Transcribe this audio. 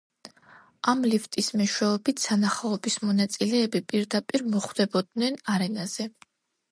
ამ ლიფტის მეშვეობით სანახაობის მონაწილეები პირდაპირ მოხვდებოდნენ არენაზე.